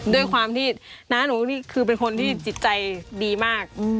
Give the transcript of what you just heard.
ด้วยความที่น้าหนูนี่คือเป็นคนที่จิตใจดีมาก